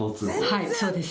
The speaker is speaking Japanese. はい、そうです。